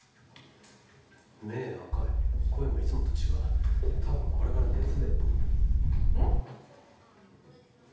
目赤い声もいつもと違うたぶんこれから熱出るえっ？